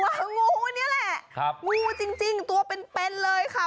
งูนี่แหละงูจริงตัวเป็นเลยค่ะ